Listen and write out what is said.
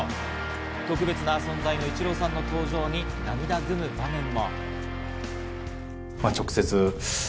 特別な存在のイチローさんの登場に、涙ぐむ場面も。